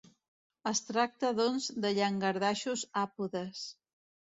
Es tracta, doncs, de llangardaixos àpodes.